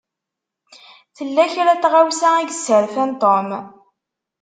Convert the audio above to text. Tella kra n tɣawsa i yesserfan Tom.